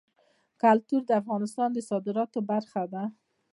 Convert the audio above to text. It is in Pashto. کلتور د افغانستان د صادراتو برخه ده.